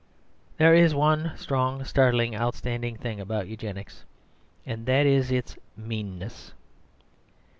There is one strong, startling, outstanding thing about Eugenics, and that is its meanness.